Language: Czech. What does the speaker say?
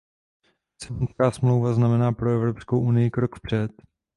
Lisabonská smlouva znamená pro Evropskou unii krok vpřed.